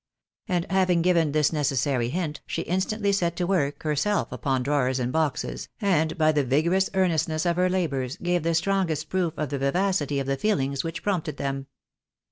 And having given this necessary hint, she instantly set to work herself upon drawers and boxes, and by the vigorous earnestness of her labours, gave the strongest proof of the vivacity of the feehngs which prompted them.